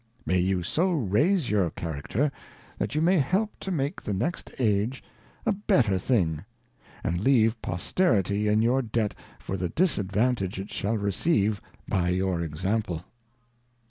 May you so raise your Character, that you may help to make the next Age a better thing, and leave Posterity^ in your Debt for the advantage it shall receive by your Example.